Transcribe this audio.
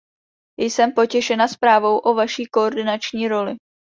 Jsem potěšena zprávou o vaší koordinační roli.